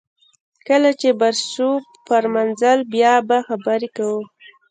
کله چې بر شو پر منزل بیا به خبرې کوو